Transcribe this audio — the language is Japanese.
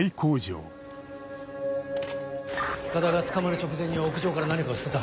塚田が捕まる直前に屋上から何かを捨てた。